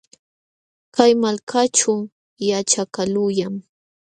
Kay malkaćhu yaćhakaqluuñam.